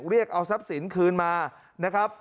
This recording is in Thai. เรียกเอาทรัพย์สินคืนมานะครับ